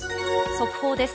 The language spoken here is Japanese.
速報です。